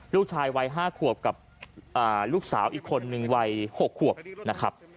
ลูกชายวัย๕ขวบกับลูกสาวอีกคนนึงวัย๖ขวบนะครับ